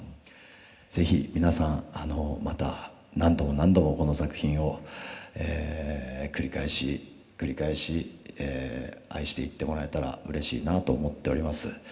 是非皆さんまた何度も何度もこの作品を繰り返し繰り返し愛していってもらえたらうれしいなと思っております。